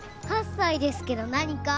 ８歳ですけど何か？